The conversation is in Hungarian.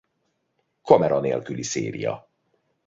Kamera nélküli széria.